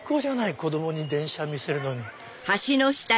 子供に電車見せるのに。